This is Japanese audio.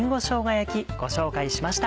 焼き」ご紹介しました。